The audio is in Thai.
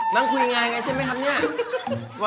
นั่งคุยงานไงใช่ไหม